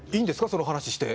その話して。